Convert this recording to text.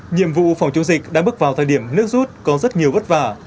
nhiệm vụ phòng chống dịch đã bước vào thời điểm nước rút có rất nhiều vất vả